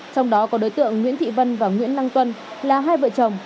trong đó có đối tượng nguyễn thị vân và nguyễn đăng tuân là hai vợ chồng